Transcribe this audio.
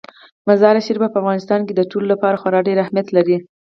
مزارشریف په افغانستان کې د ټولو لپاره خورا ډېر اهمیت لري.